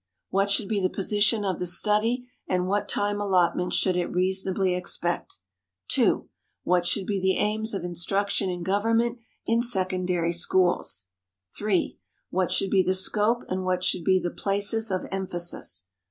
What should be the position of the study and what time allotment should it reasonably expect? 2. What should be the aims of instruction in government in secondary schools? 3. What should be the scope and what should be the places of emphasis?